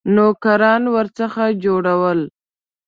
نوکران ورڅخه جوړول.